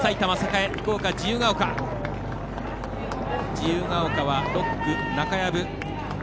自由ケ丘は６区、中薮。